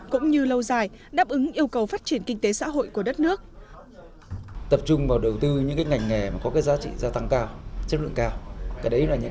cũng như lâu dài đáp ứng yêu cầu phát triển kinh tế xã hội của đất nước